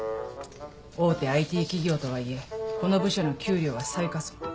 大手ＩＴ企業とはいえこの部署の給料は最下層。